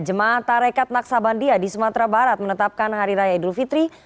jemaah tarekat naksabandia di sumatera barat menetapkan hari raya idul fitri